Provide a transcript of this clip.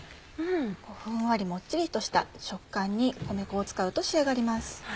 ふんわりモッチリとした食感に米粉を使うと仕上がります。